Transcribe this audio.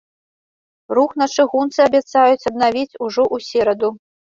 Рух на чыгунцы абяцаюць аднавіць ўжо ў сераду.